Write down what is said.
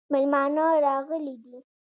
مېلمانه راغلي دي